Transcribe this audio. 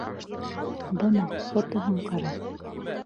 Бына фотоһын ҡара.